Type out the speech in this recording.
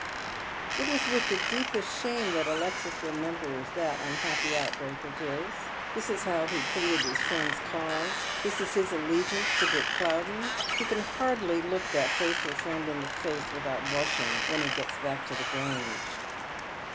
It is with the deepest shame that Alexis remembers that un nappy outbreak of his. This is how he has pleaded his friend's cause. This is his allegiance to Dick Plowden. He can hardly look that faithful friend in the face without blushing, when he jets back to the Grange.